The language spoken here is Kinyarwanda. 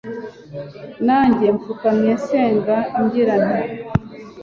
nanjye mfukamye nsenga ngira nti